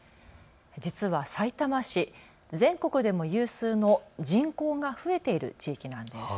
実はさいたま市、全国でも有数の人口が増えている地域なんです。